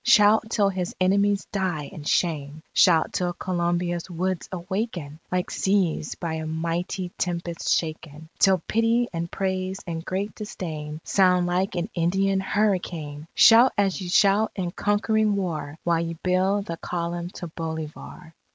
Shout till his enemies die in shame! Shout till Colombia's woods awaken, Like seas by a mighty tempest shaken, Till pity, and praise, and great disdain Sound like an Indian hurricane! Shout as ye shout in conquering war, While ye build the Column to Bolivar!